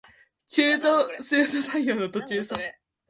中途採用の途中さ